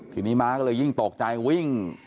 ทีนี้ม้าก็เลยยิ่งตกใจวิ่ง